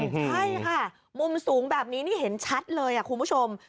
ใช่ค่ะมุมสูงแบบนี้นี่เห็นชัดเลยคุณผู้ชม